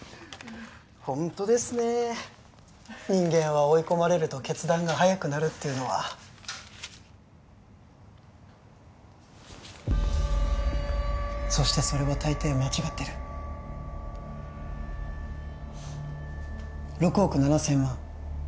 ホントですねえ人間は追い込まれると決断が早くなるっていうのはそしてそれはたいてい間違ってる６億７０００万